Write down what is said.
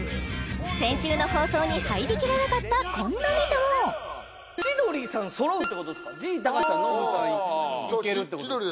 先週の放送に入りきらなかったこんなネタをＧたかしさんノブさんいけるってことですか？